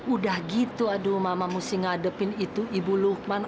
udah gitu aduh mama mesti ngadepin itu ibu lukman